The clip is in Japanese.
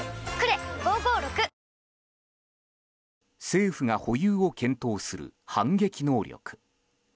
政府が保有を検討する反撃能力。